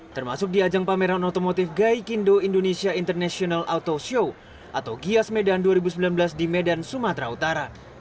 termasuk di ajang pameran otomotif gaikindo indonesia international auto show atau gias medan dua ribu sembilan belas di medan sumatera utara